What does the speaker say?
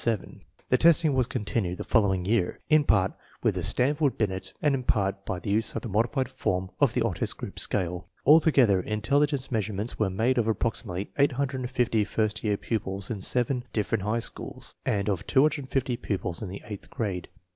The testing was continued the following year, in part with the Stanford Binet and in part by the use of a modified form of the Otis Group Scale. Alto gether, intelligence measurements were made of ap proximately 850 first year pupils in seven different high schools, and of 250 pupils in the eighth grade.